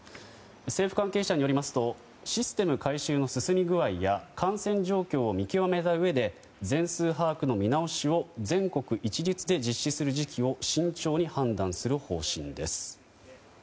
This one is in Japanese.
政府関係者によりますとシステム改修の進み具合や感染状況を見極めたうえで全数把握の見直しを全国一律で実施する時期を慎重に判断する方針です。